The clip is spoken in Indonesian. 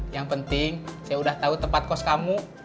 yang penting saya udah tahu tempat kos kamu